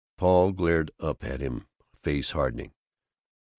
Paul glared up at him, face hardening.